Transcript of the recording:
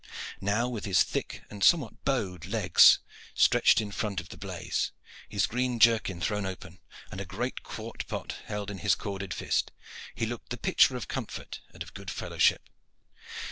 Now, with his thick and somewhat bowed legs stretched in front of the blaze, his green jerkin thrown open, and a great quart pot held in his corded fist, he looked the picture of comfort and of good fellowship.